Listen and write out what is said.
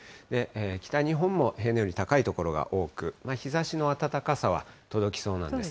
北日本も平年より高い所が多く、日ざしの暖かさは届きそうなんです。